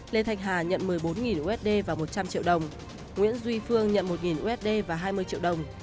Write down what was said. lê thanh hà nhận một mươi bốn usd và một trăm linh triệu đồng nguyễn duy phương nhận một usd và hai mươi triệu đồng